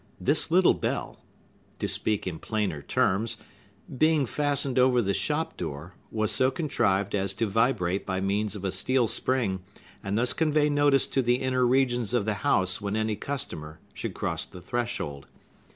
This little bell,—to speak in plainer terms,—being fastened over the shop door, was so contrived as to vibrate by means of a steel spring, and thus convey notice to the inner regions of the house when any customer should cross the threshold.